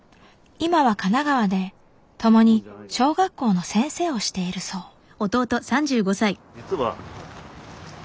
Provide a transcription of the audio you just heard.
今は神奈川でともに小学校の先生をしているそう。